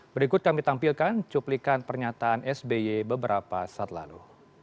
berikut kami tampilkan cuplikan pernyataan sby beberapa saat lalu